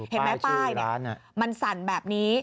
เห็นไหมป้ายมันสั่นแบบนี้